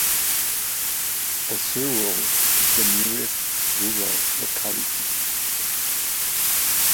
Ozero is the nearest rural locality.